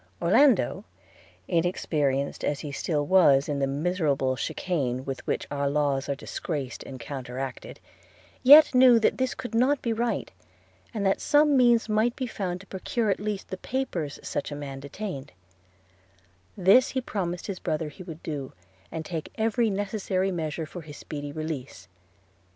Orlando, inexperienced as he still was in the miserable chicane with which our laws are disgraced and counteracted, yet knew that this could not be right, and that some means might be found to procure at least the papers such a man detained – This he promised his brother he would do, and take every necessary measure for his speedy release.